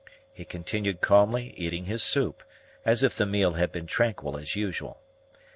He continued calmly eating his soup, as if the meal had been tranquil as usual.